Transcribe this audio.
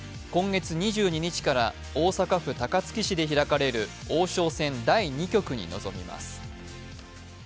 今月２２日から大阪府高槻市で開かれる王将戦第２局に臨みます。